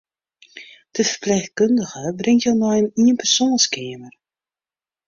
De ferpleechkundige bringt jo nei in ienpersoanskeamer.